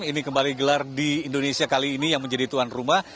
ini kembali gelar di indonesia kali ini yang menjadi tuan rumah